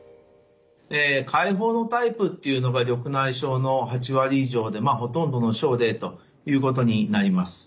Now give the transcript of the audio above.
開放のタイプっていうのが緑内障の８割以上でまあほとんどの症例ということになります。